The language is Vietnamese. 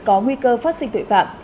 có nguy cơ phát sinh tội phạm